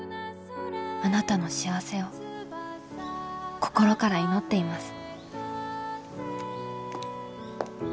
あなたの幸せを心から祈っています」。